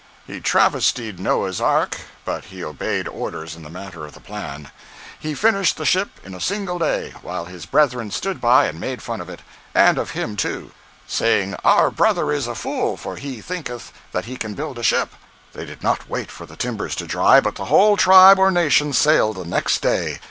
He travestied Noah's ark—but he obeyed orders in the matter of the plan. He finished the ship in a single day, while his brethren stood by and made fun of it—and of him, too—"saying, our brother is a fool, for he thinketh that he can build a ship." They did not wait for the timbers to dry, but the whole tribe or nation sailed the next day.